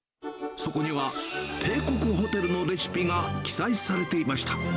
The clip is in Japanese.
そこには、帝国ホテルのレシピが記載されていました。